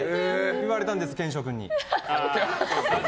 言われたんです、賢章君に。